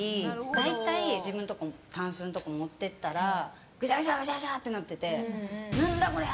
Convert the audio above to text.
大体、自分のたんすのところに持って行ったらぐちゃぐちゃぐちゃってなってて何だこりゃ！